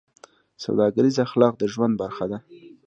سوداګریز اخلاق د ژوند برخه ده.